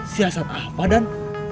siasat apa dan